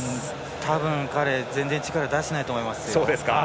多分、彼、全然力を出していないと思いますよ